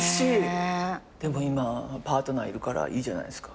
でも今パートナーいるからいいじゃないですか。